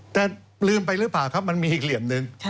แต่ลืมไปหรือเปล่าครับมันมีอีกเหลี่ยมหนึ่ง